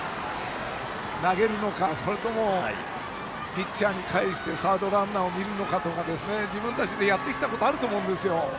投げるのか、それともピッチャーに返してサードランナーを見るのかとか自分たちでやってきたことがあると思うんですよ。